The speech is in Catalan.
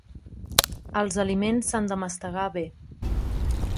Els aliments s'han de mastegar bé.